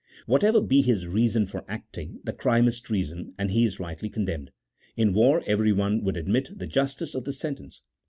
Whatever be his reason for acting, the crime is treason, and he is rightly condemned : in war, everyone would admit the justice of his sentence.